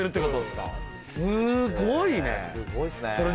すごいっすね！